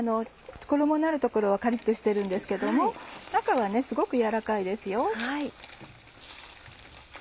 衣のある所はカリっとしてるんですけども中はすごく軟らかいですよ。